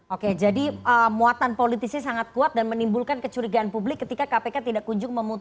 oke jadi muatan politisnya sangat kuat dan menimbulkan kecurigaan publik ketika kpk tidak kunjung memutuskan